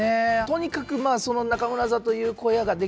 とにかくその中村座という小屋が出来た。